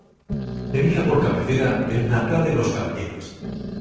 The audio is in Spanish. Tenía por cabecera a Natá de los Caballeros.